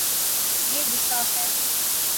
یے گصاہ ہے